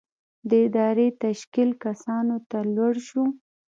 د ادارې تشکیل کسانو ته لوړ شو.